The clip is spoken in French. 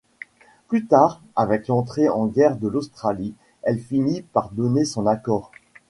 Plus tard, avec l'entrée en guerre de l'Australie, elle finit par donner son accord.